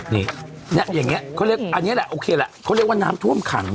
นี่อย่างนี้เขาเรียกอันนี้แหละโอเคแหละเขาเรียกว่าน้ำท่วมขัง